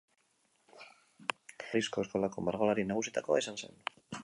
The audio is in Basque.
Lehen Mundu Gerraren ondoren Parisko eskolako margolari nagusietakoa izan zen.